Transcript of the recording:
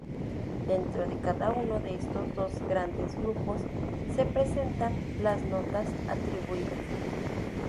Dentro de cada uno de estos dos grandes grupos se presentan las "notas" atribuidas.